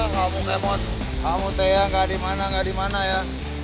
kamu kemon kamu teang gak dimana gak dimana ya